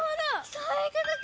そういうことか！